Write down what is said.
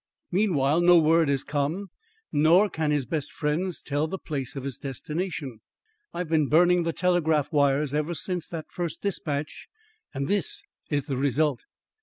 Meanwhile, no word has come, nor can his best friends tell the place of his destination. I have been burning the telegraph wires ever since the first despatch, and this is the result."